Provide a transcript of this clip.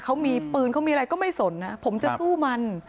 เขามีปืนเขามีอะไรก็ไม่สนนะผมจะสู้มัน